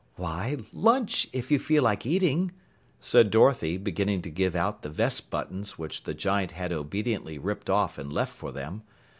"Why, lunch, if you feel like eating," said Dorothy, beginning to give out the vest buttons which the giant had obediently ripped off and left for them.